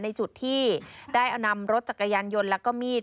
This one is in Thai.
ในจุดที่ได้เอานำรถจักรยานยนต์แล้วก็มีด